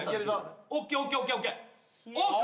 ＯＫＯＫＯＫＯＫ。